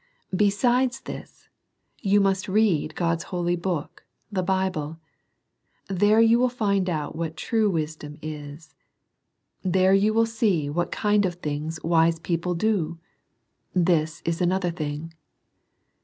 Besides this, you must read God's holy book, the Bible. There you will find out what true wisdom is. There you will see what kind of things wise people do. . This is another thing.